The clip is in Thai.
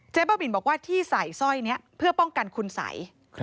บ้าบินบอกว่าที่ใส่สร้อยนี้เพื่อป้องกันคุณสัย